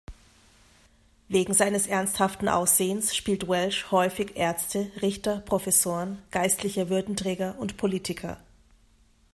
Wegen seines ernsthaften Aussehens spielt Welsh häufig Ärzte, Richter, Professoren, geistliche Würdenträger und Politiker.